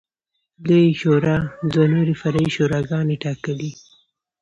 لویې شورا دوه نورې فرعي شوراګانې ټاکلې.